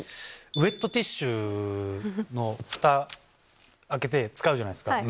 ウエットティッシュのふた開けて使うじゃないですか。